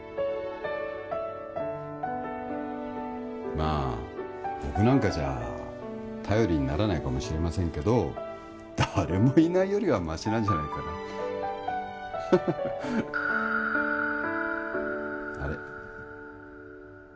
まあ僕なんかじゃ頼りにならないかもしれませんけど誰もいないよりはマシなんじゃないかなははははあれ？